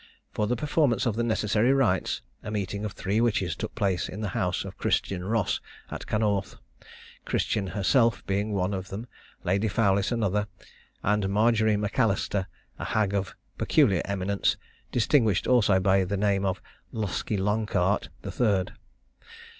For the performance of the necessary rites, a meeting of three witches took place in the house of Christian Ross, at Canorth, Christian herself being one of them, Lady Fowlis another, and Marjory M'Allester, a hag of peculiar eminence, distinguished also by the name of Loskie Loncart, the third.